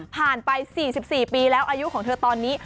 ไป๔๔ปีแล้วอายุของเธอตอนนี้